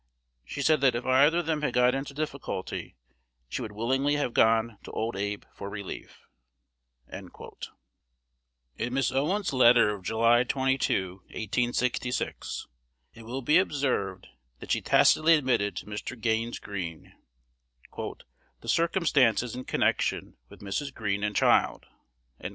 She said that if either of them had got into difficulty, she would willingly have gone to old Abe for relief." In Miss Owens's letter of July 22, 1866, it will be observed! that she tacitly admitted to Mr. Gaines Greene "the circumstances in connection with Mrs. Greene and child."